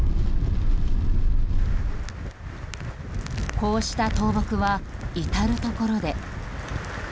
こうした倒木は至るところで。